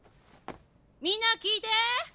みんな聞いて！